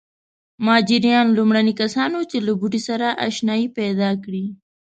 مجاریان لومړني کسان وو چې له بوټي سره اشنايي پیدا کړې.